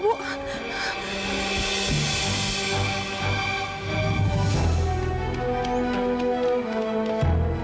dia pasti menang